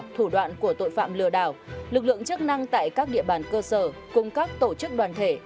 thủ đoạn của tội phạm lừa đảo lực lượng chức năng tại các địa bàn cơ sở cùng các tổ chức đoàn thể